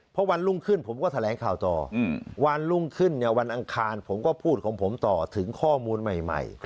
เพราะวันรุ่งขึ้นผมก็แถลงข่าวต่อวันรุ่งขึ้นเนี่ยวันอังคารผมก็พูดของผมต่อถึงข้อมูลใหม่